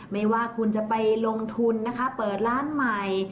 ไม่ว่าคุณจะไปลงทุนนะคะเปิดร้านใหม่